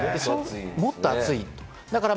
もっと暑いと。